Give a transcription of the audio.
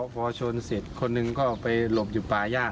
พอชนเสร็จคนหนึ่งก็ไปหลบอยู่ป่าย่าง